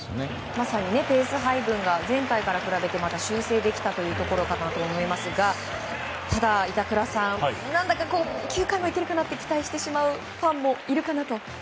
まさにペース配分が前回に比べてまた修正できたというところだと思いますが板倉さん何だか９回もいけるかなと期待してしまうファンもいるかなと。